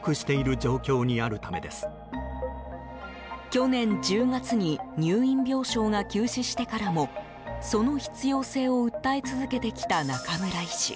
去年１０月に入院病床が休止してからもその必要性を訴え続けてきた中村医師。